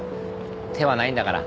手はないんだから。